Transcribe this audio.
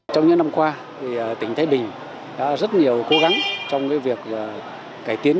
trong những năm qua tỉnh thái bình đã rất nhiều cố gắng trong việc cải thiện năng lực cạnh tranh của tỉnh